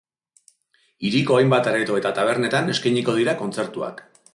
Hiriko hainbat areto eta tabernetan eskainiko dira kontzertuak.